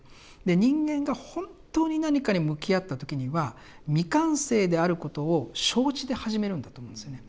人間が本当に何かに向き合った時には未完成であることを承知で始めるんだと思うんですよね。